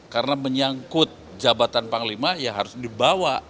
karena menyangkut jabatan panglima ya harus dibawa